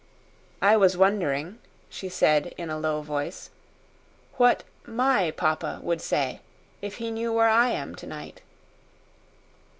"I was wondering," she said in a low voice, "what MY papa would say if he knew where I am tonight."